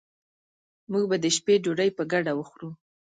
موږ به د شپې ډوډي په ګډه وخورو